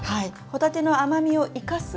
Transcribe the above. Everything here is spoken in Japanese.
帆立ての甘みを生かす。